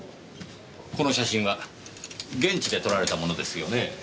この写真は現地で撮られたものですよね？